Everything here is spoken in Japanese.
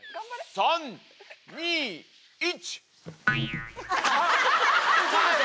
３・２・１。